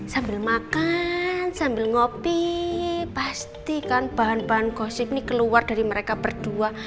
sambil makan sambil ngopi pastikan bahan bahan gosip ini keluar dari mereka berdua